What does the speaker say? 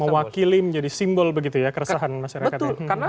mewakilim jadi simbol begitu ya keresahan masyarakat